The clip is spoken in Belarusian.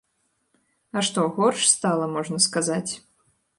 А што горш стала, можна сказаць?